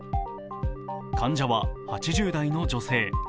患者は８０代の女性